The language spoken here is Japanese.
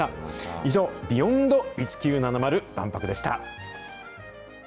以上、Ｂｅｙｏｎｄ１９７０万博でした。